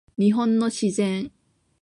日本の自然